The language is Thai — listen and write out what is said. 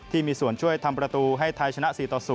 ที่มีส่วนช่วยทำประตูให้ไทยชนะ๔ต่อ๐